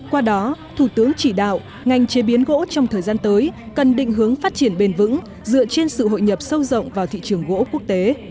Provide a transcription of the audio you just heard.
qua đó thủ tướng chỉ đạo ngành chế biến gỗ trong thời gian tới cần định hướng phát triển bền vững dựa trên sự hội nhập sâu rộng vào thị trường gỗ quốc tế